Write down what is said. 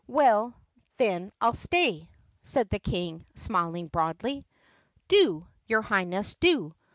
"Well, then, I 'll stay," said the King smiling broadly. "Do, your Highness, do!